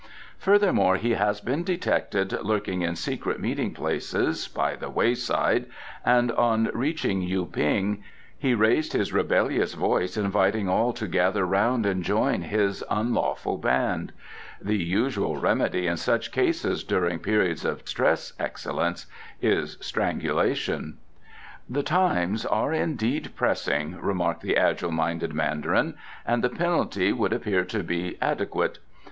"Furthermore, he has been detected lurking in secret meeting places by the wayside, and on reaching Yu ping he raised his rebellious voice inviting all to gather round and join his unlawful band. The usual remedy in such cases during periods of stress, Excellence, is strangulation." "The times are indeed pressing," remarked the agile minded Mandarin, "and the penalty would appear to be adequate."